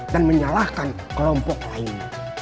dan menyalahkan kelompok lain